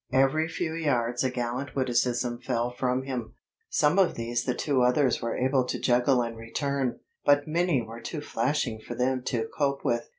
Every few yards a gallant witticism fell from him. Some of these the two others were able to juggle and return, but many were too flashing for them to cope with.